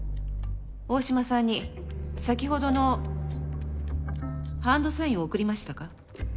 大島さんに先ほどのハンドサインを送りましたか？